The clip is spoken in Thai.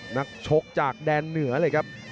นักชกจากแดนเหนือเลยครับ